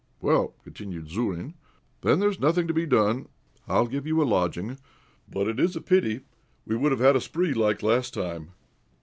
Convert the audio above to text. "Well," continued Zourine, "then there is nothing to be done. I'll give you a lodging. But it is a pity; we would have had a spree like last time.